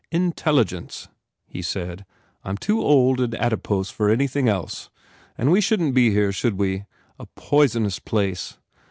"Intelligence," he said, "I m too old and adipose for anything else. And we shouldn t be here, should we? A poisonous place."